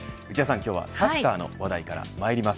今日はサッカーの話題からまいります。